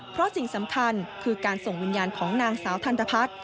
เพราะสิ่งสำคัญคือการส่งวิญญาณของนางสาวทันตพัฒน์